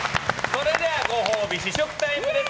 それではご褒美試食タイムです。